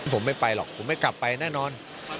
ผมไม่ไปหรอกผมไม่กลับไปแน่นอน